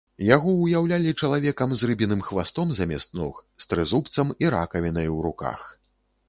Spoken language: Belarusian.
Яго ўяўлялі чалавекам з рыбіным хвастом замест ног, з трызубцам і ракавінай у руках.